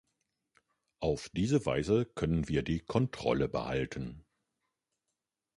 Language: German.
Auf diese Weise können wir die Kontrolle behalten.